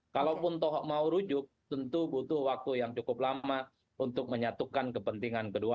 kalaupun tohok mau rujuk tentu butuh waktu yang cukup lama untuk menyatukan kepentingan kedua